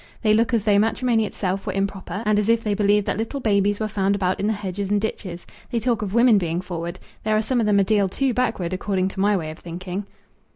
They look as though matrimony itself were improper, and as if they believed that little babies were found about in the hedges and ditches. They talk of women being forward! There are some of them a deal too backward, according to my way of thinking."